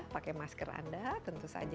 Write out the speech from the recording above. pakai masker anda tentu saja